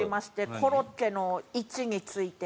コロッケの位置について。